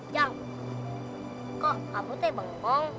jeng kok kamu tebang pang